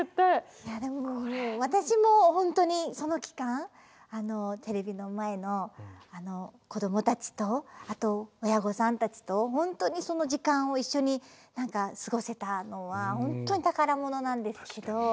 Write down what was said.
いやでも私も本当にその期間テレビの前のこどもたちとあと親御さんたちと本当にその時間を一緒に何か過ごせたのは本当に宝物なんですけど。